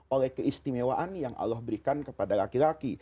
oleh keistimewaan yang allah berikan kepada perempuan